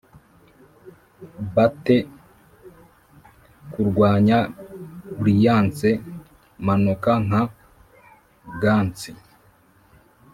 batter kurwanya brilliance, manuka nka gants